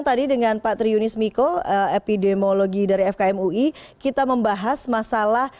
pandangan anda seperti apa pak zubairi